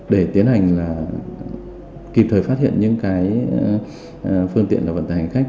để tiến hành kịp thời phát hiện những phương tiện và vận tải hành khách